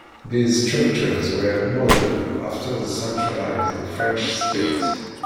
These structures were modelled after the centralised French state.